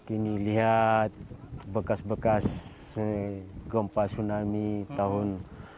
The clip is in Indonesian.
ini lihat bekas bekas gempa tsunami tahun sembilan puluh dua